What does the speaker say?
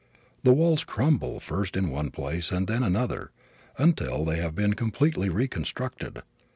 The walls crumble first in one place and then another until they have been completely reconstructed.